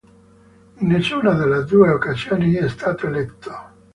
In nessuna delle due occasioni è stato eletto.